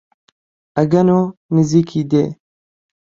ئەگەنۆ نزیکی دێ